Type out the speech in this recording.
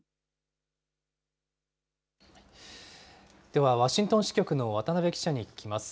では、ワシントン支局の渡辺記者に聞きます。